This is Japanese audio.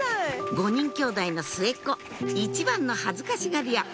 ５人きょうだいの末っ子一番の恥ずかしがり屋